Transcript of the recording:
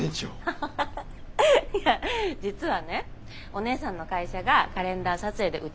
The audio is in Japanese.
ハハハハいや実はねお姉さんの会社がカレンダー撮影でうちを使いたいって聞いて。